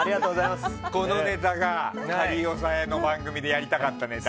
このネタが仮押さえの番組でやりたかったネタ。